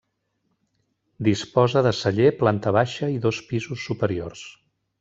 Disposa de celler, planta baixa i dos pisos superiors.